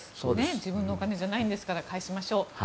自分のお金じゃないんですから返しましょう。